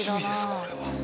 これは。